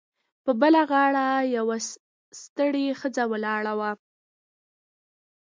په بله غاړه یوه ستړې ښځه ولاړه وه